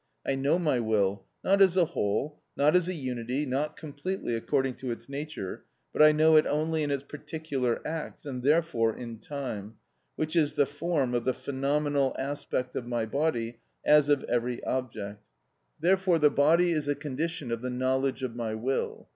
I know my will, not as a whole, not as a unity, not completely, according to its nature, but I know it only in its particular acts, and therefore in time, which is the form of the phenomenal aspect of my body, as of every object. Therefore the body is a condition of the knowledge of my will.